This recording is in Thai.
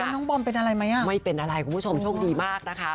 น้องบอมเป็นอะไรไหมอ่ะไม่เป็นอะไรคุณผู้ชมโชคดีมากนะคะ